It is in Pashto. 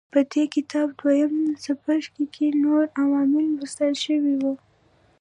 په دې کتاب دویم څپرکي کې نور عوامل لوستل شوي وو.